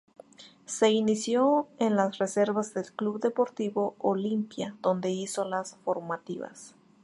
Se inició en las reservas del Club Deportivo Olimpia donde hizo las formativas.